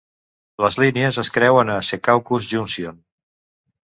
Les línies es creuen a Secaucus Junction.